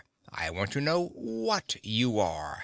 I want to know what you are?"